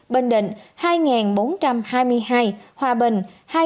bình định hai bốn trăm hai mươi hai hòa bình hai ba trăm chín mươi bốn